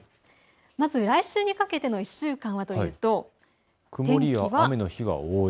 まず来週にかけての１週間はというと天気は曇りや雨の日が多い。